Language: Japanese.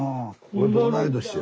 同い年よ。